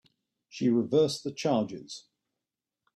She reversed the charges.